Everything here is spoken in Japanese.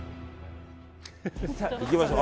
行きましょう。